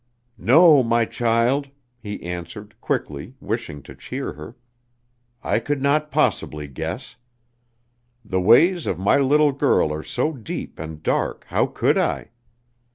"No, my child," he answered, quickly, wishing to cheer her, "I could not possibly guess. The ways of my little girl are so deep and dark, how could I?"